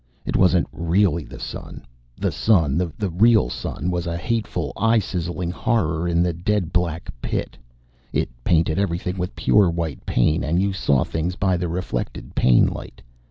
It wasn't really the sun. The sun, the real sun, was a hateful eye sizzling horror in the dead black pit. It painted everything with pure white pain, and you saw things by the reflected pain light.